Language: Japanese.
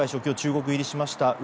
今日、中国入りしました。